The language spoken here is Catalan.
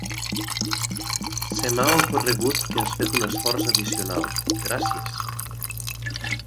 Se m"ha ocorregut que has fet un esforç addicional. Gràcies!